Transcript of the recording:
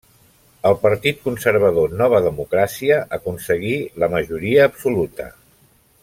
El partit conservador Nova Democràcia aconseguí la majoria absoluta.